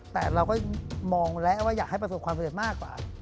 แต่เราก็มองแล้วว่าอยากให้ประสบความสำเร็จมากกว่า